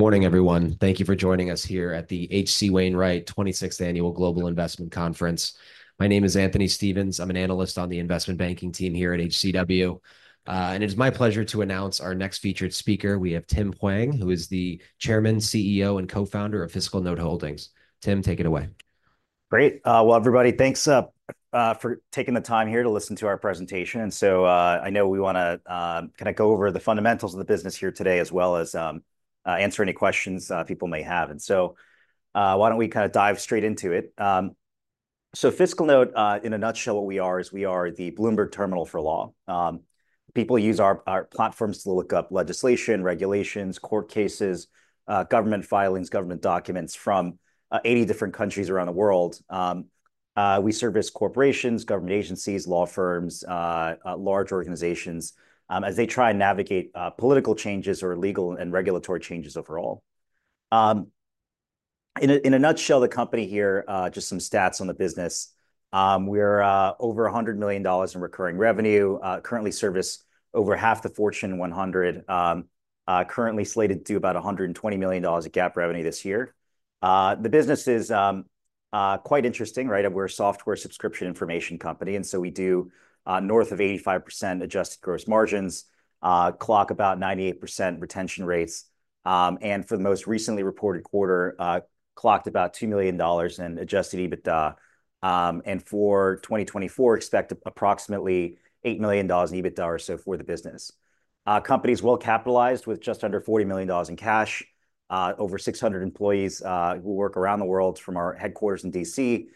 Good morning, everyone. Thank you for joining us here at the H.C. Wainwright twenty-sixth Annual Global Investment Conference. My name is Anthony Stiven. I'm an analyst on the investment banking team here at HCW, and it is my pleasure to announce our next featured speaker. We have Tim Hwang, who is the Chairman, CEO, and Co-founder of FiscalNote Holdings. Tim, take it away. Great. Well, everybody, thanks for taking the time here to listen to our presentation. I know we wanna kinda go over the fundamentals of the business here today, as well as answer any questions people may have. Why don't we kind of dive straight into it? FiscalNote, in a nutshell, what we are is we are the Bloomberg Terminal for law. People use our platform to look up legislation, regulations, court cases, government filings, government documents from 80 different countries around the world. We service corporations, government agencies, law firms, large organizations as they try and navigate political changes or legal and regulatory changes overall. In a nutshell, the company here, just some stats on the business. We're over $100 million in recurring revenue, currently service over half the Fortune 100. Currently slated to do about $120 million of GAAP revenue this year. The business is quite interesting, right? We're a software subscription information company, and so we do north of 85% adjusted gross margins, clock about 98% retention rates. For the most recently reported quarter, clocked about $2 million in adjusted EBITDA. For 2024, expect approximately $8 million in EBITDA or so for the business. Company's well-capitalized, with just under $40 million in cash. Over 600 employees, who work around the world from our headquarters in DC,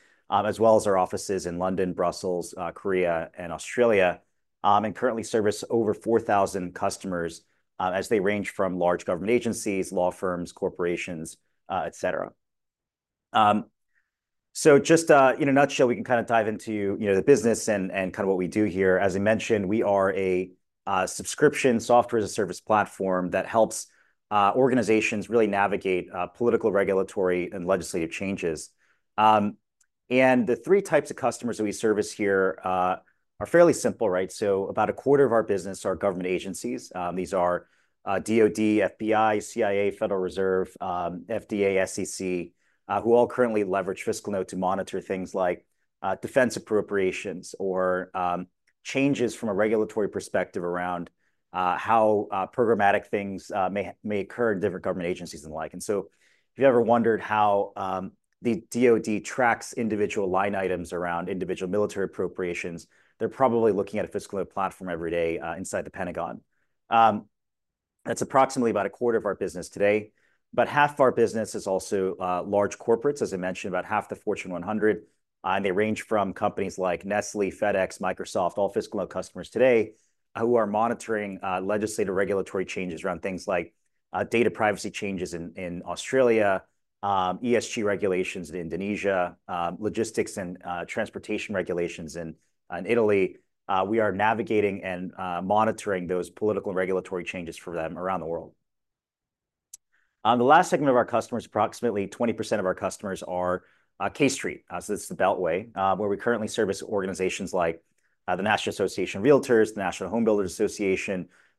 as well as our offices in London, Brussels, Korea, and Australia. And currently service over 4,000 customers, as they range from large government agencies, law firms, corporations, et cetera. So just, in a nutshell, we can kinda dive into, you know, the business and kinda what we do here. As I mentioned, we are a subscription software-as-a-service platform that helps organizations really navigate political, regulatory, and legislative changes. And the three types of customers that we service here are fairly simple, right? So about a quarter of our business are government agencies. These are DOD, FBI, CIA, Federal Reserve, FDA, SEC, who all currently leverage FiscalNote to monitor things like defense appropriations or changes from a regulatory perspective around how programmatic things may occur in different government agencies and the like. And so if you've ever wondered how the DOD tracks individual line items around individual military appropriations, they're probably looking at a FiscalNote platform every day inside the Pentagon. That's approximately about a quarter of our business today, but half of our business is also large corporates, as I mentioned, about half the Fortune 100, and they range from companies like Nestlé, FedEx, Microsoft, all FiscalNote customers today, who are monitoring legislative regulatory changes around things like data privacy changes in Australia, ESG regulations in Indonesia, logistics and transportation regulations in Italy. We are navigating and monitoring those political and regulatory changes for them around the world. The last segment of our customers, approximately 20% of our customers, are K Street. So this is the Beltway, where we currently service organizations like the National Association of Realtors, the National Association of Home Builders,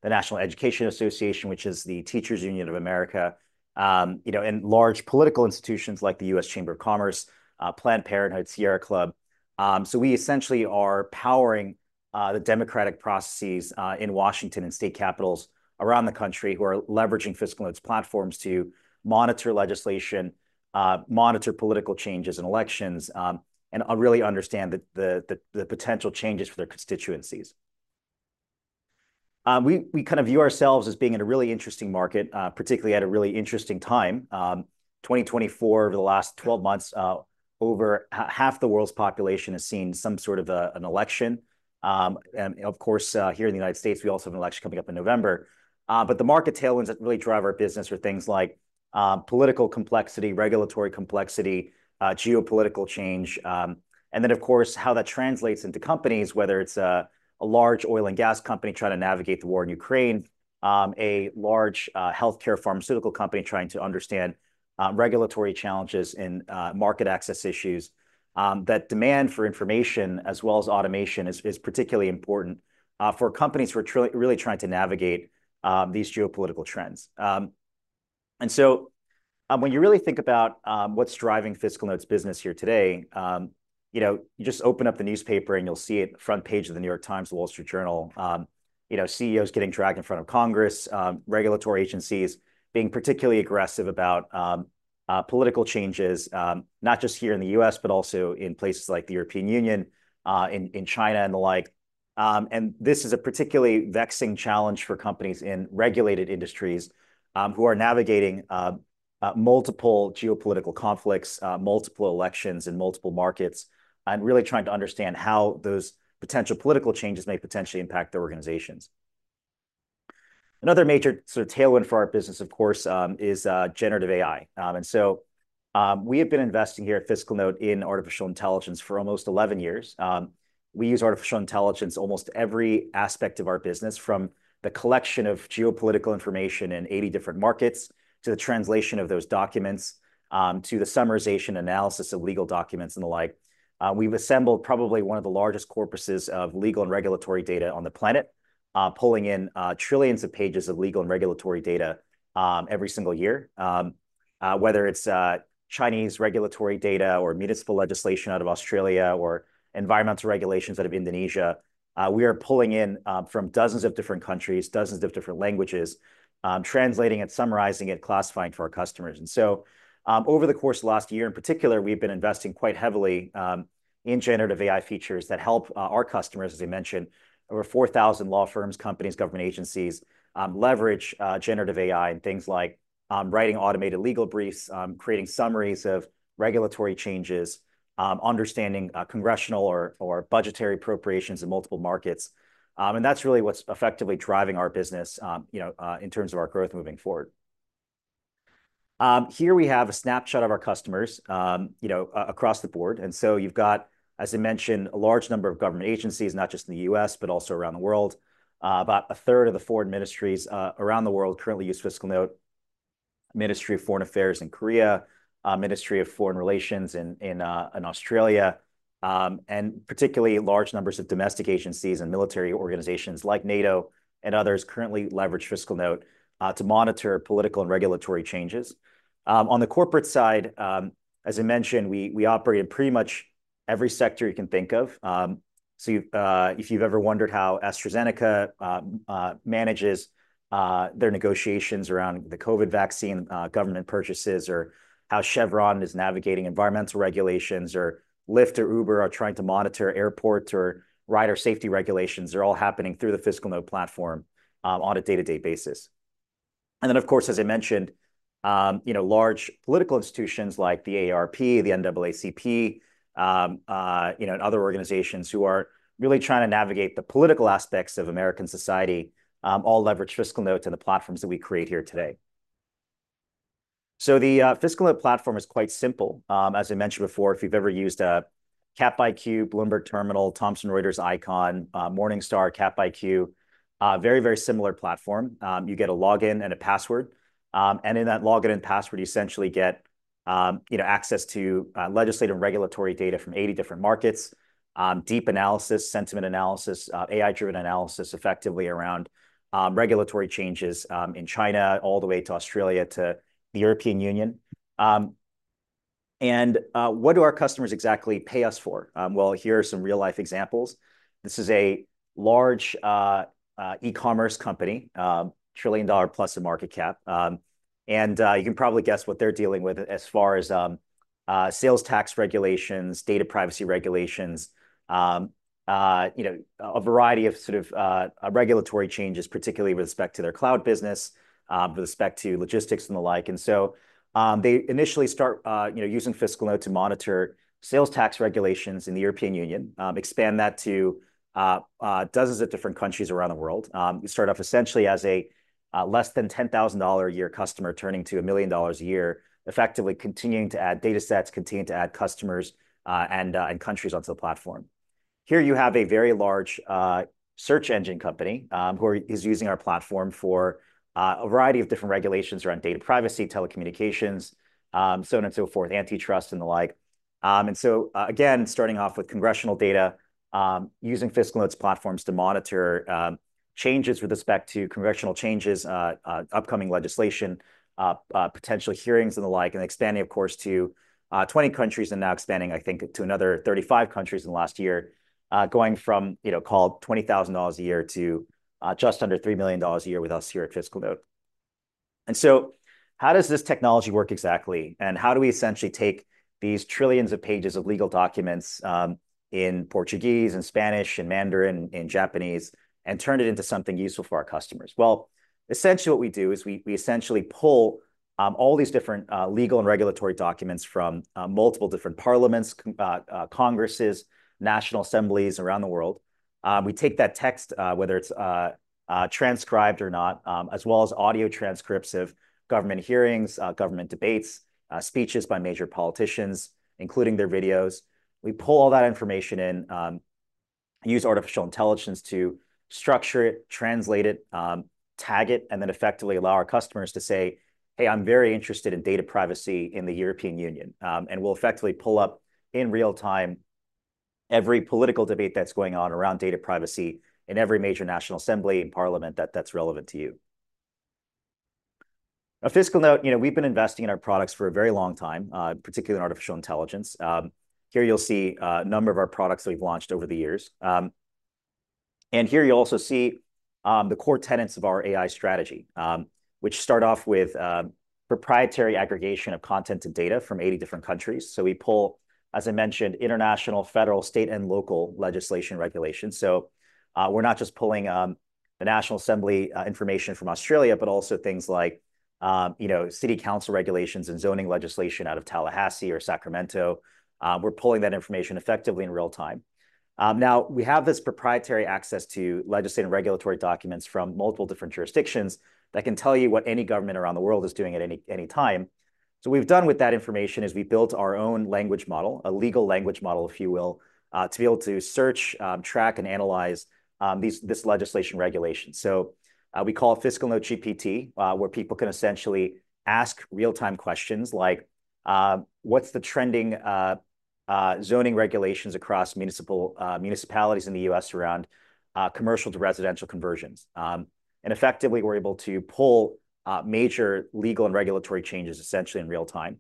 the National Education Association, which is the teachers union of America, you know, and large political institutions like the U.S. Chamber of Commerce, Planned Parenthood, Sierra Club. So we essentially are powering the democratic processes in Washington and state capitals around the country, who are leveraging FiscalNote's platforms to monitor legislation, monitor political changes in elections, and really understand the potential changes for their constituencies. We kind of view ourselves as being in a really interesting market, particularly at a really interesting time. 2024, over the last twelve months, over half the world's population has seen some sort of an election. And of course, here in the United States, we also have an election coming up in November. But the market tailwinds that really drive our business are things like political complexity, regulatory complexity, geopolitical change. And then, of course, how that translates into companies, whether it's a large oil and gas company trying to navigate the war in Ukraine, a large healthcare pharmaceutical company trying to understand regulatory challenges and market access issues, that demand for information, as well as automation, is particularly important for companies who are really trying to navigate these geopolitical trends. So, when you really think about what's driving FiscalNote's business here today, you know, you just open up the newspaper, and you'll see it, front page of The New York Times, The Wall Street Journal, you know, CEOs getting dragged in front of Congress, regulatory agencies being particularly aggressive about political changes, not just here in the U.S., but also in places like the European Union, in China, and the like. This is a particularly vexing challenge for companies in regulated industries, who are navigating multiple geopolitical conflicts, multiple elections in multiple markets, and really trying to understand how those potential political changes may potentially impact their organizations. Another major sort of tailwind for our business, of course, is generative AI. and so, we have been investing here at FiscalNote in artificial intelligence for almost eleven years. We use artificial intelligence almost every aspect of our business, from the collection of geopolitical information in eighty different markets, to the translation of those documents, to the summarization analysis of legal documents and the like. We've assembled probably one of the largest corpuses of legal and regulatory data on the planet, pulling in trillions of pages of legal and regulatory data every single year. Whether it's Chinese regulatory data or municipal legislation out of Australia or environmental regulations out of Indonesia, we are pulling in from dozens of different countries, dozens of different languages, translating it, summarizing it, classifying it for our customers. Over the course of the last year in particular, we've been investing quite heavily in generative AI features that help our customers. As I mentioned, over 4,000 law firms, companies, government agencies leverage generative AI in things like writing automated legal briefs, creating summaries of regulatory changes, understanding congressional or budgetary appropriations in multiple markets. That's really what's effectively driving our business, you know, in terms of our growth moving forward. Here we have a snapshot of our customers, you know, across the board, and so you've got, as I mentioned, a large number of government agencies, not just in the U.S., but also around the world. About a third of the foreign ministries around the world currently use FiscalNote. Ministry of Foreign Affairs in Korea, Ministry of Foreign Relations in Australia, and particularly large numbers of domestic agencies and military organizations like NATO and others currently leverage FiscalNote to monitor political and regulatory changes. On the corporate side, as I mentioned, we operate in pretty much every sector you can think of. So you, if you've ever wondered how AstraZeneca manages their negotiations around the COVID vaccine, government purchases, or how Chevron is navigating environmental regulations, or Lyft or Uber are trying to monitor airport or rider safety regulations, they're all happening through the FiscalNote platform on a day-to-day basis. And then, of course, as I mentioned, you know, large political institutions, like the AARP, the NAACP, you know, and other organizations who are really trying to navigate the political aspects of American society, all leverage FiscalNote and the platforms that we create here today. So the FiscalNote platform is quite simple. As I mentioned before, if you've ever used a CapIQ, Bloomberg Terminal, Thomson Reuters Eikon, Morningstar, CapIQ, a very, very similar platform. You get a login and a password, and in that login and password, you essentially get, you know, access to legislative and regulatory data from 80 different markets, deep analysis, sentiment analysis, AI-driven analysis effectively around regulatory changes in China, all the way to Australia to the European Union. And, what do our customers exactly pay us for? Here are some real-life examples. This is a large e-commerce company, trillion-dollar plus in market cap, and you can probably guess what they're dealing with as far as sales tax regulations, data privacy regulations, you know, a variety of sort of regulatory changes, particularly with respect to their cloud business, with respect to logistics and the like. They initially start, you know, using FiscalNote to monitor sales tax regulations in the European Union, expand that to dozens of different countries around the world. They started off essentially as a less than $10,000 a year customer, turning to a $1 million a year, effectively continuing to add datasets, continuing to add customers, and countries onto the platform. Here you have a very large search engine company who is using our platform for a variety of different regulations around data privacy, telecommunications, so on and so forth, antitrust and the like. And so again, starting off with congressional data, using FiscalNote's platforms to monitor changes with respect to congressional changes, upcoming legislation, potential hearings and the like, and expanding, of course, to 20 countries and now expanding, I think, to another 35 countries in the last year. Going from, you know, call it $20,000 a year to just under $3 million a year with us here at FiscalNote. So how does this technology work exactly? How do we essentially take these trillions of pages of legal documents in Portuguese and Spanish and Mandarin and Japanese, and turn it into something useful for our customers? Essentially what we do is we essentially pull all these different legal and regulatory documents from multiple different parliaments, congresses, national assemblies around the world. We take that text, whether it's transcribed or not, as well as audio transcripts of government hearings, government debates, speeches by major politicians, including their videos. We pull all that information in, use artificial intelligence to structure it, translate it, tag it, and then effectively allow our customers to say, "Hey, I'm very interested in data privacy in the European Union." We'll effectively pull up, in real time, every political debate that's going on around data privacy in every major national assembly, in parliament that's relevant to you. At FiscalNote, you know, we've been investing in our products for a very long time, particularly in artificial intelligence. Here you'll see a number of our products that we've launched over the years, and here you'll also see the core tenets of our AI strategy, which start off with proprietary aggregation of content and data from eighty different countries. So we pull, as I mentioned, international, federal, state, and local legislation regulations. We're not just pulling the National Assembly information from Australia, but also things like, you know, city council regulations and zoning legislation out of Tallahassee or Sacramento. We're pulling that information effectively in real time. Now, we have this proprietary access to legislative and regulatory documents from multiple different jurisdictions that can tell you what any government around the world is doing at any time. So what we've done with that information is we built our own language model, a legal language model, if you will, to be able to search, track, and analyze this legislation regulation. We call it FiscalNote GPT, where people can essentially ask real-time questions like, "What's the trending zoning regulations across municipalities in the U.S. around commercial to residential conversions? And effectively, we're able to pull major legal and regulatory changes essentially in real time.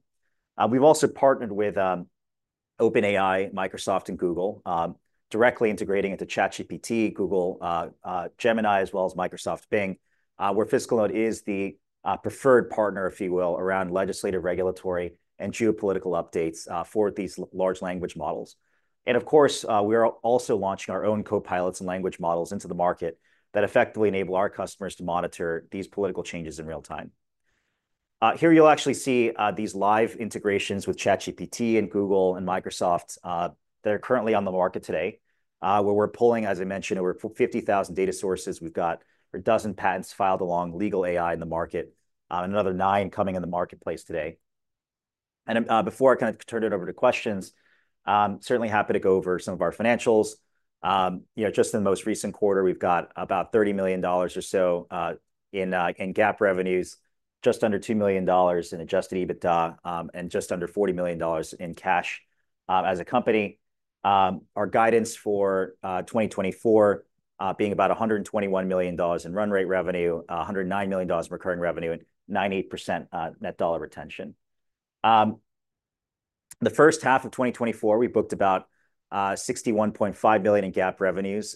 We've also partnered with OpenAI, Microsoft, and Google, directly integrating into ChatGPT, Google Gemini, as well as Microsoft Bing, where FiscalNote is the preferred partner, if you will, around legislative, regulatory, and geopolitical updates for these large language models. And of course, we are also launching our own Copilots and language models into the market that effectively enable our customers to monitor these political changes in real time. Here you'll actually see these live integrations with ChatGPT and Google and Microsoft that are currently on the market today, where we're pulling, as I mentioned, over 50,000 data sources. We've got a dozen patents filed along legal AI in the market, and another nine coming in the marketplace today. Before I kind of turn it over to questions, certainly happy to go over some of our financials. You know, just in the most recent quarter, we've got about $30 million or so in GAAP revenues, just under $2 million in adjusted EBITDA, and just under $40 million in cash. As a company, our guidance for 2024 being about $121 million in run rate revenue, $109 million in recurring revenue, and 98% net dollar retention. The first half of 2024, we booked about $61.5 billion in GAAP revenues,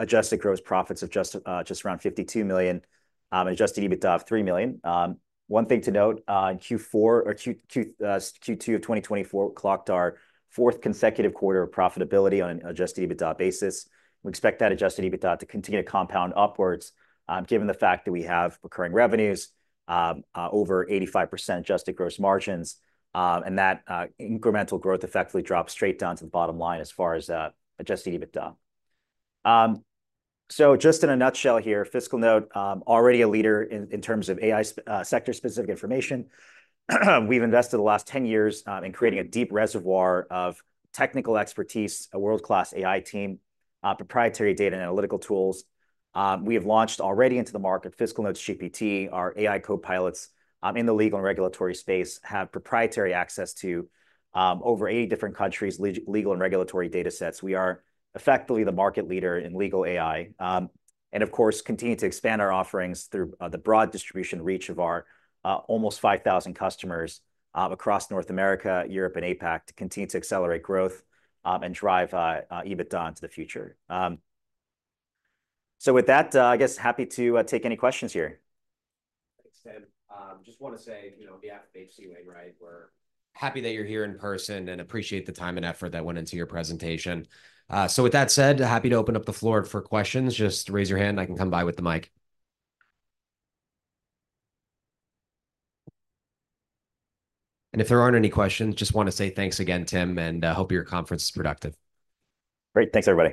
adjusted gross profits of just around $52 million, adjusted EBITDA of $3 million. One thing to note in Q2 of 2024, we clocked our fourth consecutive quarter of profitability on an Adjusted EBITDA basis. We expect that Adjusted EBITDA to continue to compound upwards, given the fact that we have recurring revenues over 85% adjusted gross margins, and that incremental growth effectively drops straight down to the bottom line as far as adjusted EBITDA. So just in a nutshell here, FiscalNote already a leader in terms of AI sector-specific information. We've invested the last 10 years in creating a deep reservoir of technical expertise, a world-class AI team, proprietary data and analytical tools. We have launched already into the market, FiscalNote's GPT, our AI Copilots, in the legal and regulatory space, have proprietary access to, over eighty different countries' legal and regulatory datasets. We are effectively the market leader in legal AI, and of course, continue to expand our offerings through, the broad distribution reach of our, almost 5,000 customers, across North America, Europe, and APAC, to continue to accelerate growth, and drive, EBITDA into the future. So with that, I guess happy to, take any questions here. Thanks, Tim. Just want to say, you know, on behalf of H.C. Wainwright, we're happy that you're here in person and appreciate the time and effort that went into your presentation. So with that said, happy to open up the floor for questions. Just raise your hand, and I can come by with the mic, and if there aren't any questions, just want to say thanks again, Tim, and hope your conference is productive. Great. Thanks, everybody.